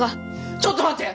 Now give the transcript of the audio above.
ちょっと待って！